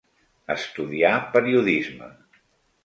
Estudià periodisme.